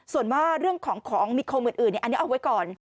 ส่วนว่าเรื่องของของมีคมอื่นอันนี้เอาไว้ก่อน